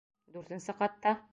Дүртенсе ҡатта?!